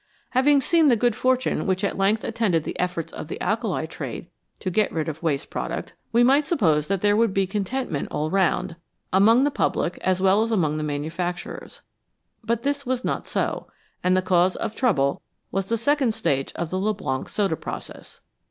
Having seen the good fortune which at length attended the efforts of the alkali trade to get rid of waste product, 276 THE VALUE OF THE BY PRODUCT we might suppose that there would be contentment all round, among the public as well as among the manufac turers. But this was not so, and the cause of trouble was the second stage of the Leblanc soda process.